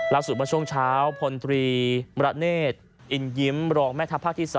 ล่าสู่ประชงเช้าพลตรีมระเนศอินยิ้มรองแม่ธพภาคที่๓